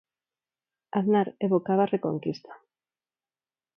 Aznar evocaba a Reconquista.